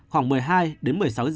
khoảng một mươi hai h đến một mươi sáu h